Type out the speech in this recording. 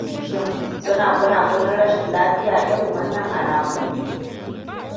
Shin suna gunagunin rashin lafiya irin wannan alamu?